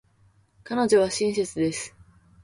彼女は親切です。